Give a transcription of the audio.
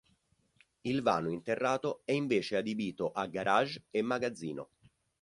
Il vano interrato è invece adibito a garage e magazzino.